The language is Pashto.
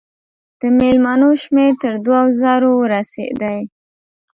د مېلمنو شمېر تر دوو زرو ورسېدی.